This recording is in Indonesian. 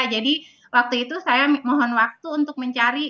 jadi waktu itu saya mohon waktu untuk mencari